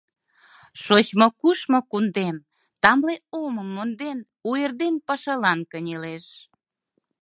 Шочмо-кушмо кундем, Тамле омым монден, У эрден пашалан кынелеш.